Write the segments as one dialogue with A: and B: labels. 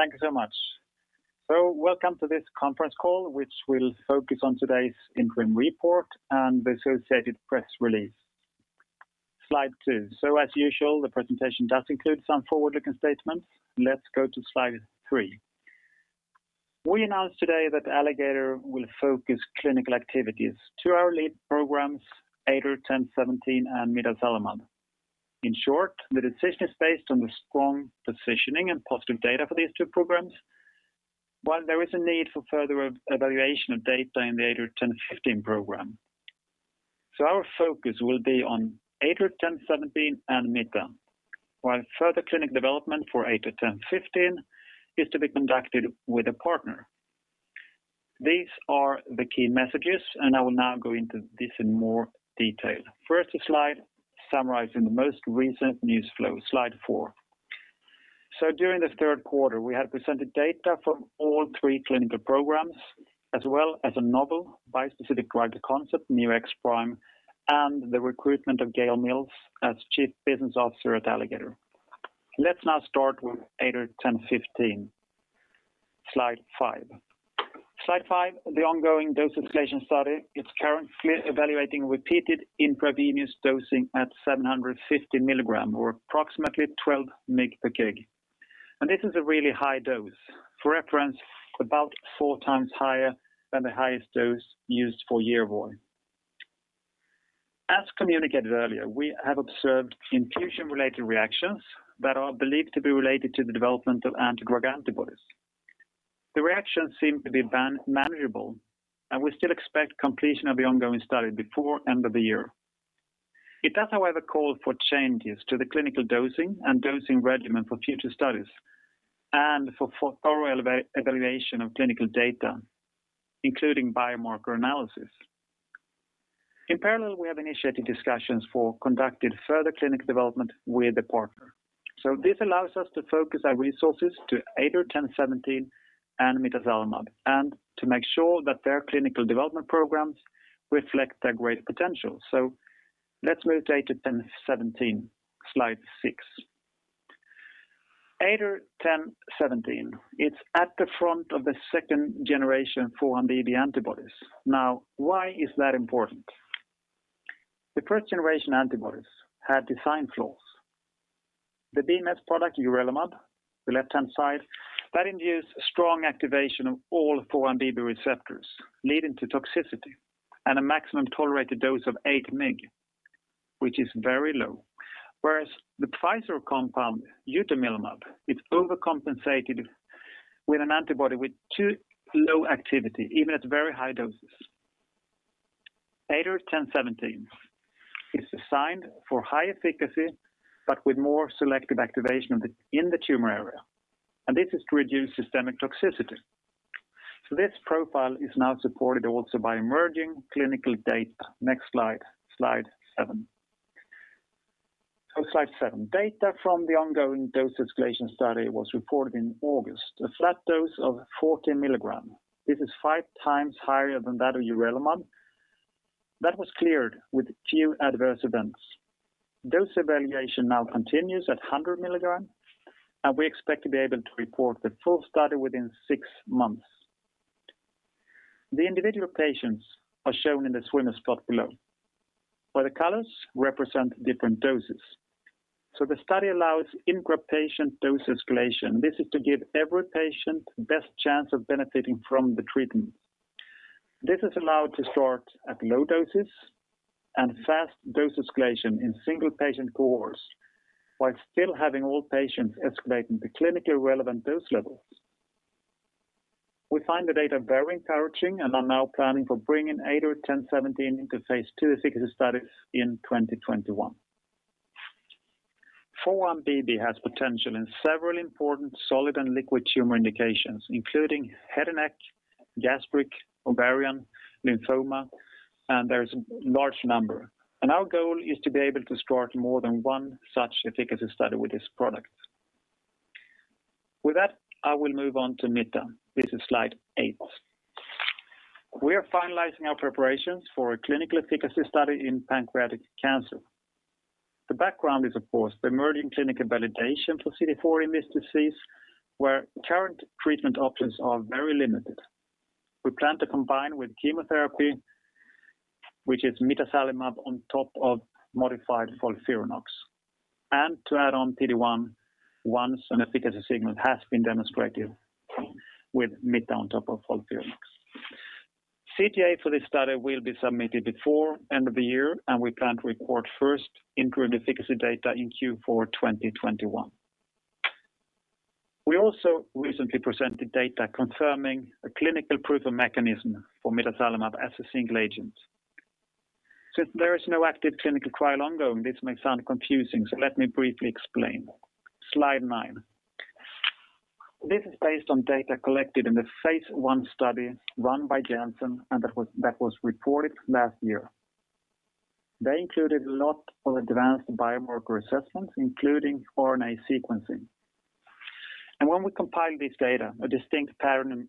A: Thank you so much. Welcome to this conference call, which will focus on today's interim report and associated press release. Slide two. As usual, the presentation does include some forward-looking statements. Let's go to slide three. We announced today that Alligator will focus clinical activities to our lead programs, ATOR-1017 and mitazalimab. In short, the decision is based on the strong positioning and positive data for these two programs, while there is a need for further evaluation of data in the ATOR-1015 program. Our focus will be on ATOR-1017 and mita, while further clinical development for ATOR-1015 is to be conducted with a partner. These are the key messages, and I will now go into this in more detail. First slide summarizing the most recent news flow. Slide four. During the third quarter, we have presented data from all three clinical programs, as well as a novel bispecific drug concept, Neo-X-Prime, and the recruitment of Gayle Mills as Chief Business Officer at Alligator. Let's now start with ATOR-1015. Slide five. Slide five, the ongoing dose-escalation study is currently evaluating repeated intravenous dosing at 750 mg, or approximately 12 mg/kg. This is a really high dose. For reference, about 4x higher than the highest dose used for YERVOY. As communicated earlier, we have observed infusion-related reactions that are believed to be related to the development of anti-drug antibodies. The reactions seem to be manageable, and we still expect completion of the ongoing study before end of the year. It does, however, call for changes to the clinical dosing and dosing regimen for future studies and for thorough evaluation of clinical data, including biomarker analysis. In parallel, we have initiated discussions for conducting further clinical development with a partner. This allows us to focus our resources to ATOR-1017 and mitazalimab and to make sure that their clinical development programs reflect their great potential. Let's move to ATOR-1017. Slide six. ATOR-1017. It's at the front of the second generation 4-1BB antibodies. Why is that important? The first-generation antibodies had design flaws. The BMS product, urelumab, the left-hand side, that induced strong activation of all 4-1BB receptors, leading to toxicity and a maximum tolerated dose of 8 mg, which is very low. The Pfizer compound utomilumab, it's overcompensated with an antibody with too low activity, even at very high doses. ATOR-1017 is designed for high efficacy but with more selective activation in the tumor area. This is to reduce systemic toxicity. This profile is now supported also by emerging clinical data. Next slide. Slide seven. Data from the ongoing dose-escalation study was reported in August. A flat dose of 40 mg. This is 5x higher than that of urelumab. That was cleared with few adverse events. Dose evaluation now continues at 100 mg, and we expect to be able to report the full study within six months. The individual patients are shown in the swimmer plot below, where the colors represent different doses. The study allows intra-patient dose escalation. This is to give every patient best chance of benefiting from the treatment. This is allowed to start at low doses and fast dose escalation in single-patient cohorts, while still having all patients escalating to clinically relevant dose levels. We find the data very encouraging and are now planning for bringing ATOR-1017 into phase II efficacy studies in 2021. 4-1BB has potential in several important solid and liquid tumor indications, including head and neck, gastric, ovarian, lymphoma, and there's a large number. Our goal is to be able to start more than one such efficacy study with this product. With that, I will move on to mita. This is slide eight. We are finalizing our preparations for a clinical efficacy study in pancreatic cancer. The background is, of course, the emerging clinical validation for CD40 in this disease, where current treatment options are very limited. We plan to combine with chemotherapy, which is mitazalimab on top of modified FOLFIRINOX, and to add on PD-1 once an efficacy signal has been demonstrated with mita on top of FOLFIRINOX. CTA for this study will be submitted before end of the year, and we plan to report first interim efficacy data in Q4 2021. We also recently presented data confirming a clinical proof of mechanism for mitazalimab as a single agent. Since there is no active clinical trial ongoing, this may sound confusing, so let me briefly explain. Slide nine. This is based on data collected in the phase I study run by Janssen and that was reported last year. They included a lot of advanced biomarker assessments, including RNA sequencing. When we compiled this data, a distinct pattern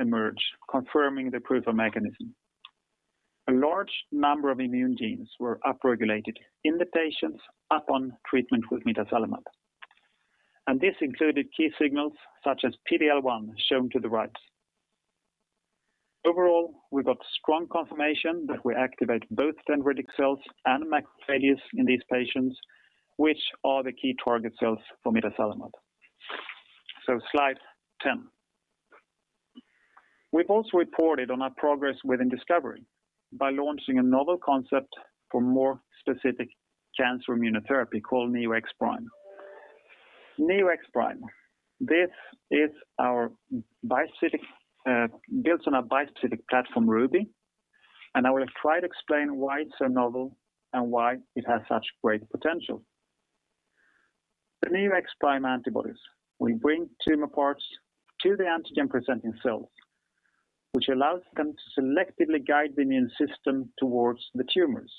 A: emerged confirming the proof of mechanism. A large number of immune genes were upregulated in the patients upon treatment with mitazalimab. This included key signals such as PD-L1, shown to the right. Overall, we got strong confirmation that we activate both dendritic cells and macrophages in these patients, which are the key target cells for mitazalimab. Slide 10. We've also reported on our progress within discovery by launching a novel concept for more specific cancer immunotherapy called Neo-X-Prime. Neo-X-Prime. This is built on our bispecific platform, RUBY, and I will try to explain why it's so novel and why it has such great potential. The Neo-X-Prime antibodies will bring tumor parts to the antigen-presenting cell, which allows them to selectively guide the immune system towards the tumors.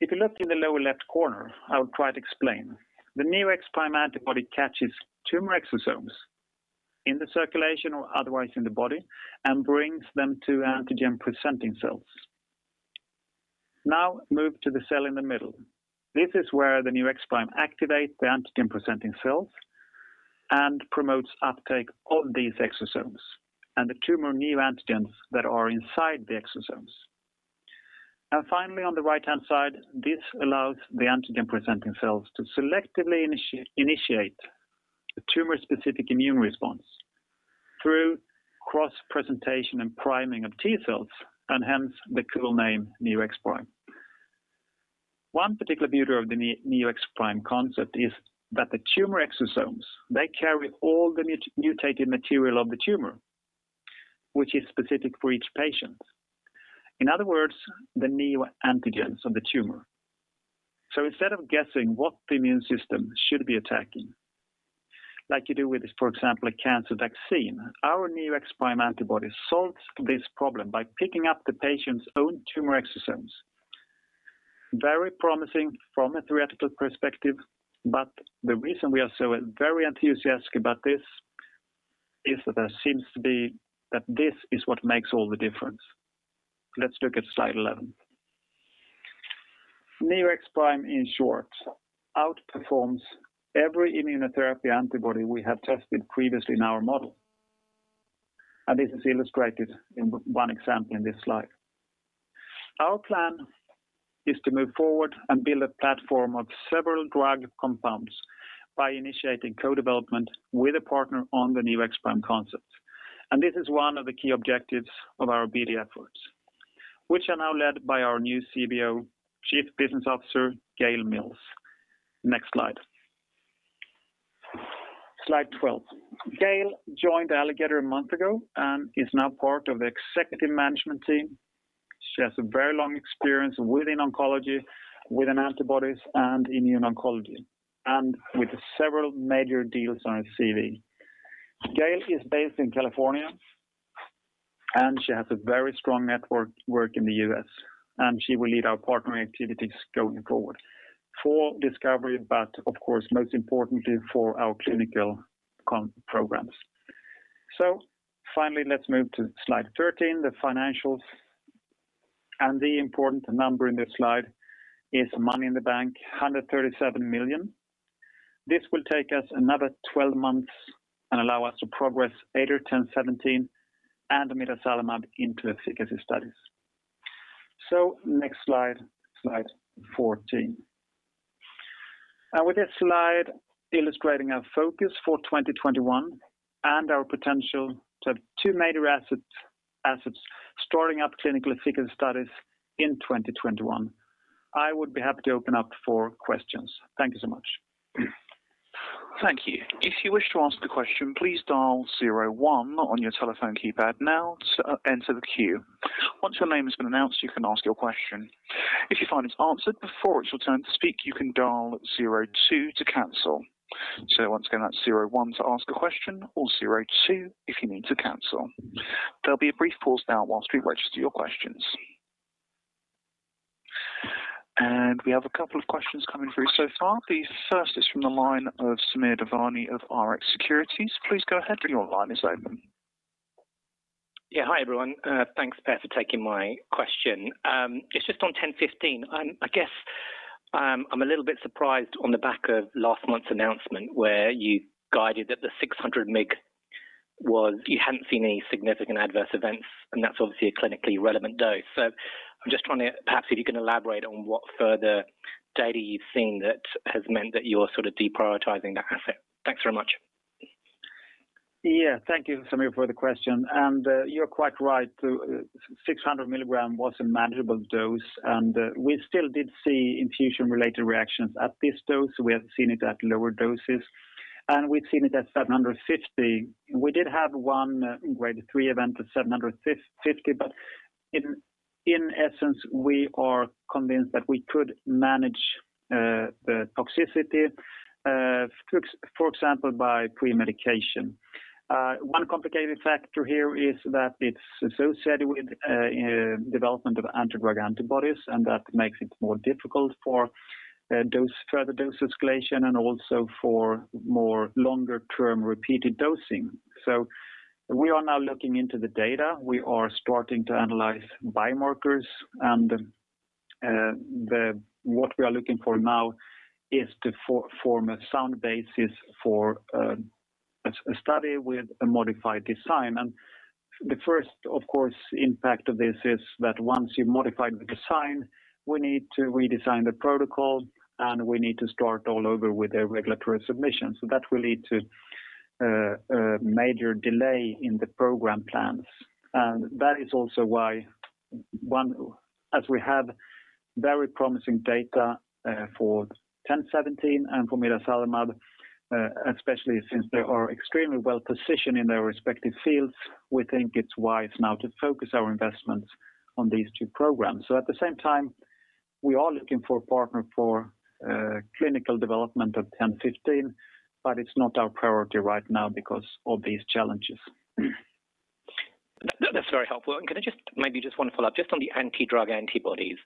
A: If you look in the lower-left corner, I will try to explain. The Neo-X-Prime antibody catches tumor exosomes in the circulation or otherwise in the body and brings them to antigen-presenting cells. Now move to the cell in the middle. This is where the Neo-X-Prime activates the antigen-presenting cells and promotes uptake of these exosomes and the tumor neoantigens that are inside the exosomes. Finally, on the right-hand side, this allows the antigen-presenting cells to selectively initiate the tumor-specific immune response through cross-presentation and priming of T cells, and hence the cool name, Neo-X-Prime. One particular beauty of the Neo-X-Prime concept is that the tumor exosomes, they carry all the mutated material of the tumor, which is specific for each patient. In other words, the neoantigens of the tumor. Instead of guessing what the immune system should be attacking, like you do with, for example, a cancer vaccine, our Neo-X-Prime antibody solves this problem by picking up the patient's own tumor exosomes. Very promising from a theoretical perspective, but the reason we are so very enthusiastic about this is that this is what makes all the difference. Let's look at slide 11. Neo-X-Prime, in short, outperforms every immunotherapy antibody we have tested previously in our model. This is illustrated in one example in this slide. Our plan is to move forward and build a platform of several drug compounds by initiating co-development with a partner on the Neo-X-Prime concept. This is one of the key objectives of our BD efforts, which are now led by our new CBO, Chief Business Officer, Gayle Mills. Next slide. Slide 12. Gayle joined Alligator a month ago and is now part of the executive management team. She has very long experience within oncology, within antibodies and immune oncology, and with several major deals on her CV. Gayle is based in California, and she has a very strong network in the U.S., and she will lead our partnering activities going forward for discovery, but of course, most importantly, for our clinical programs. Finally, let's move to slide 13, the financials. The important number in this slide is money in the bank, 137 million. This will take us another 12 months and allow us to progress ATOR-1017 and mitazalimab into efficacy studies. Next slide 14. With this slide illustrating our focus for 2021 and our potential to have two major assets starting up clinical efficacy studies in 2021, I would be happy to open up for questions. Thank you so much.
B: Thank you. If you wish to ask a question, please dial zero one on your telephone keypad now to enter the queue. Once your name has been announced, you can ask your question. If you find it's answered before it's your turn to speak, you can dial zero two to cancel. Once again, that's zero one to ask a question or zero two if you need to cancel. There'll be a brief pause now while we register your questions. We have a couple of questions coming through so far. The first is from the line of Samir Devani of Rx Securities. Please go ahead. Your line is open.
C: Yeah. Hi, everyone. Thanks, Per, for taking my question. It's just on 1015. I guess I'm a little bit surprised on the back of last month's announcement where you guided that the 600 mg, you hadn't seen any significant adverse events, and that's obviously a clinically relevant dose. I'm just wondering perhaps if you can elaborate on what further data you've seen that has meant that you're sort of deprioritizing that asset. Thanks very much.
A: Thank you, Samir, for the question. You're quite right. 600 mg was a manageable dose, and we still did see infusion-related reactions at this dose. We have seen it at lower doses, and we've seen it at 750 mg. We did have one Grade 3 event at 750 mg, but in essence, we are convinced that we could manage the toxicity, for example, by pre-medication. One complicating factor here is that it's associated with development of antidrug antibodies, and that makes it more difficult for further dose escalation and also for more longer-term repeated dosing. We are now looking into the data. We are starting to analyze biomarkers, and what we are looking for now is to form a sound basis for a study with a modified design. The first, of course, impact of this is that once you've modified the design, we need to redesign the protocol, and we need to start all over with the regulatory submission. That will lead to a major delay in the program plans. That is also why, as we have very promising data for 1017 and for mitazalimab, especially since they are extremely well-positioned in their respective fields, we think it's wise now to focus our investments on these two programs. At the same time, we are looking for a partner for clinical development of 1015, but it's not our priority right now because of these challenges.
C: That's very helpful. Can I just maybe one follow-up just on the anti-drug antibodies?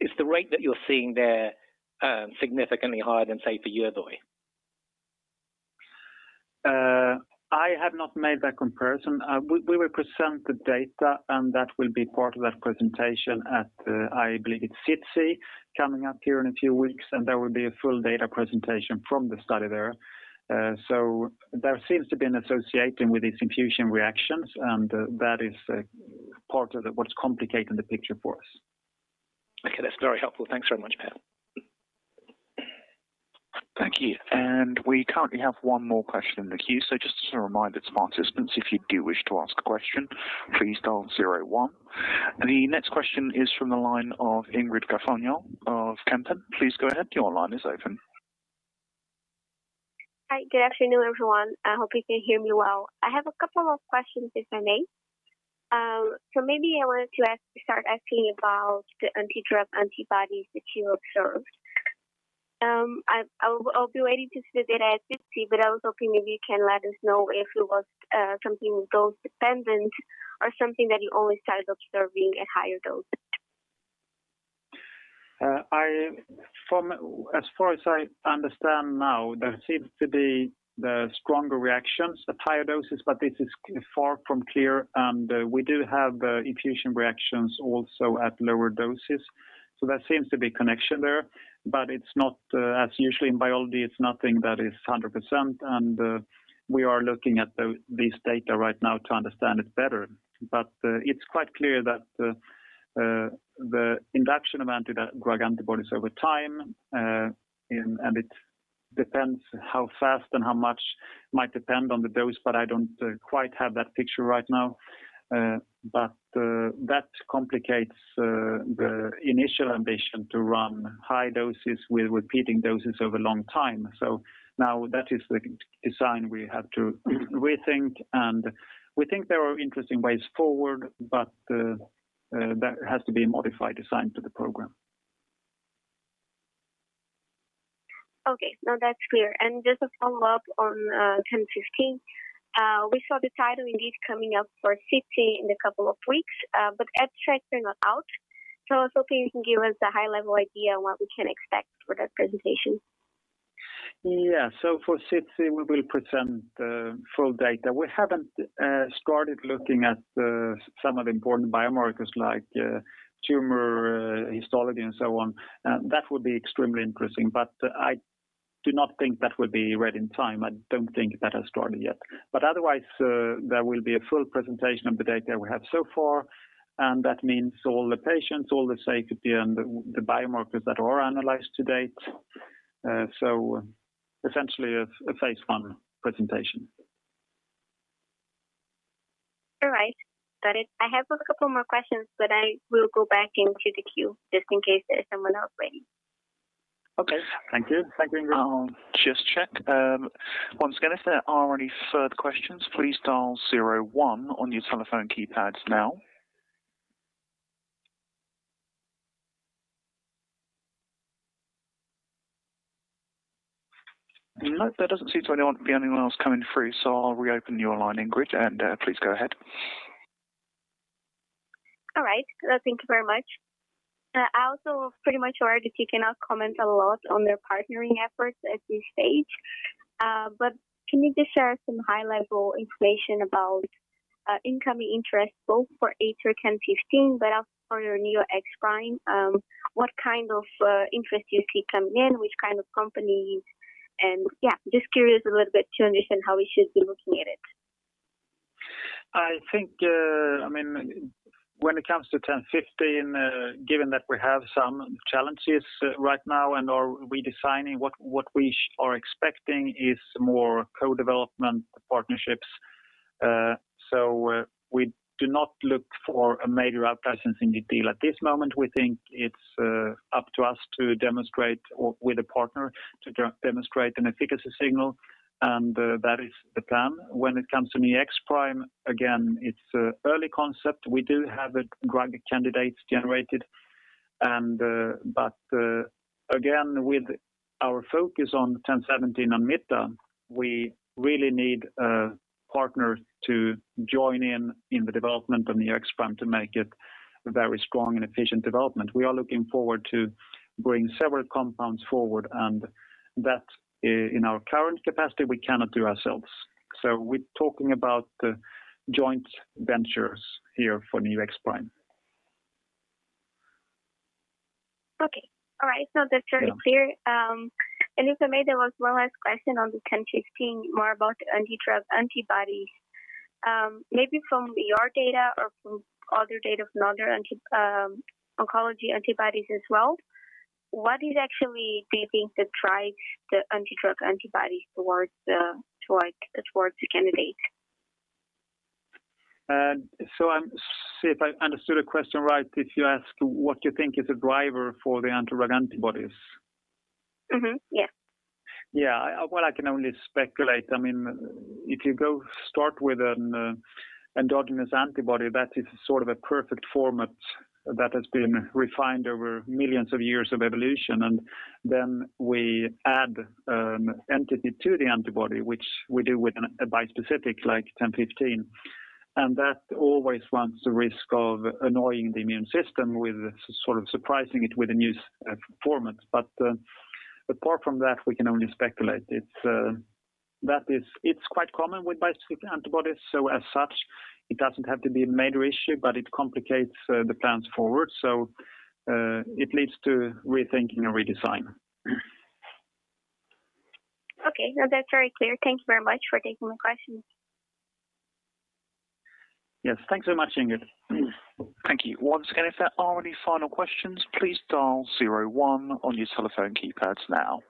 C: Is the rate that you're seeing there significantly higher than, say, for YERVOY?
A: I have not made that comparison. We will present the data, and that will be part of that presentation at, I believe it's SITC coming up here in a few weeks, and there will be a full data presentation from the study there. There seems to be an association with these infusion reactions, and that is part of what's complicating the picture for us.
C: Okay. That's very helpful. Thanks very much, Per.
B: Thank you. We currently have one more question in the queue. Just as a reminder to participants, if you do wish to ask a question, please dial zero one. The next question is from the line of Ingrid Gafanhão of Kempen. Please go ahead. Your line is open.
D: Hi. Good afternoon, everyone. I hope you can hear me well. I have a couple of questions, if I may. Maybe I wanted to start asking about the anti-drug antibodies that you observed. I'll be waiting to see the data at SITC. I was hoping maybe you can let us know if it was something dose-dependent or something that you only started observing at higher doses.
A: As far as I understand now, there seems to be the stronger reactions at higher doses, but this is far from clear, and we do have infusion reactions also at lower doses. There seems to be a connection there, but as usually in biology, it's nothing that is 100%, and we are looking at this data right now to understand it better. It's quite clear that the induction of anti-drug antibodies over time, and it depends how fast and how much might depend on the dose, but I don't quite have that picture right now. That complicates the initial ambition to run high doses with repeating doses over a long time. Now that is the design we have to rethink, and we think there are interesting ways forward, but there has to be a modified design to the program.
D: Okay. No, that's clear. Just a follow-up on 1015. We saw the title indeed coming up for SITC in a couple of weeks, abstracts are not out. I was hoping you can give us a high-level idea on what we can expect for that presentation.
A: Yeah. For SITC, we will present the full data. We haven't started looking at some of the important biomarkers like tumor histology and so on. That would be extremely interesting, I do not think that would be read in time. I don't think that has started yet. Otherwise, there will be a full presentation of the data we have so far, and that means all the patients, all the safety, and the biomarkers that are analyzed to date. Essentially a phase I presentation.
D: All right. Got it. I have a couple more questions. I will go back into the queue just in case there is someone else waiting.
A: Okay. Thank you. Thank you, Ingrid.
B: I'll just check. Once again, if there are any further questions, please dial zero one on your telephone keypads now. No, there doesn't seem to be anyone else coming through. I'll reopen your line, Ingrid, and please go ahead.
D: All right. Thank you very much. I also pretty much heard that you cannot comment a lot on their partnering efforts at this stage. Can you just share some high-level information about incoming interest both for ATOR-1015 but also for your Neo-X-Prime? What kind of interest do you see coming in? Which kind of companies? Yeah, just curious a little bit to understand how we should be looking at it.
A: I think, when it comes to 1015, given that we have some challenges right now and are redesigning, what we are expecting is more co-development partnerships. We do not look for a major out-licensing deal at this moment. We think it's up to us to demonstrate, or with a partner, to demonstrate an efficacy signal, and that is the plan. When it comes to Neo-X-Prime, again, it's early concept. We do have drug candidates generated. Again, with our focus on 1017 and mita, we really need a partner to join in the development of Neo-X-Prime to make it a very strong and efficient development. We are looking forward to bring several compounds forward, and that in our current capacity, we cannot do ourselves. We're talking about joint ventures here for Neo-X-Prime.
D: Okay. All right. That's very clear. If I may, there was one last question on the 1015, more about the anti-drug antibodies. Maybe from your data or from other data from other oncology antibodies as well, what is actually being the drive the anti-drug antibody towards the candidate?
A: I'm see if I understood the question right, if you ask what you think is a driver for the anti-drug antibodies?
D: Mm-hmm. Yeah.
A: Yeah. Well, I can only speculate. If you go start with an endogenous antibody, that is sort of a perfect format that has been refined over millions of years of evolution, and then we add an entity to the antibody, which we do with a bispecific like 1015, and that always runs the risk of annoying the immune system with sort of surprising it with a new format. Apart from that, we can only speculate. It's quite common with bispecific antibodies, so as such, it doesn't have to be a major issue, but it complicates the plans forward. It leads to rethinking and redesign.
D: Okay. No, that's very clear. Thank you very much for taking the questions.
A: Yes. Thanks so much, Ingrid.
B: Thank you. Once again, if there are any final questions, please dial zero one on your telephone keypads now.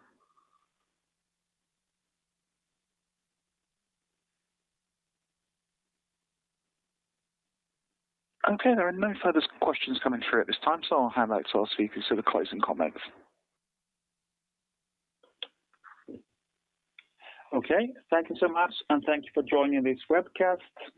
B: Okay, there are no further questions coming through at this time, I'll hand back to our speakers for the closing comments.
A: Okay. Thank you so much, and thank you for joining this webcast.